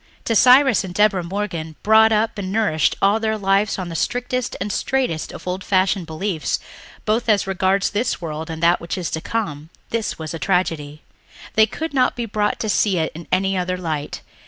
To Cyrus and Deborah Morgan, brought up and nourished all their lives on the strictest and straightest of old fashioned beliefs both as regards this world and that which is to come, this was a tragedy. They could not be brought to see it in any other light.